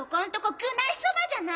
具なしそばじゃない！